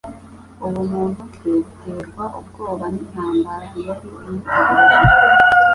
Ubumuntu bwe buterwa ubwoba n'intambara yari imutegereje